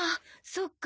そっか。